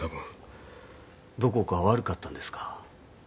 どこか悪かったんですか？